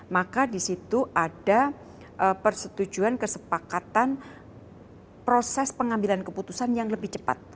maka di situ ada persetujuan kesepakatan proses pengambilan keputusan yang lebih cepat